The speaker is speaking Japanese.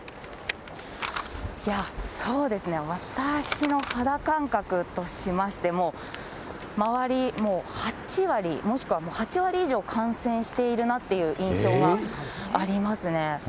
いや、そうですね、私の肌感覚としましても、周り、もう８割、もしくは８割以上感染しているなって印象はありますね。